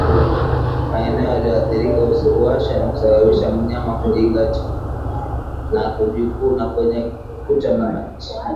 Maeneo yaliyoathirika huwasha na kusababisha mnyama kujingata na kujikuna kwenye kuta na miti